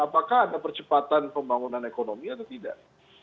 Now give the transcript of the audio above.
apakah ada percepatan pembangunan ekonomi atau tidak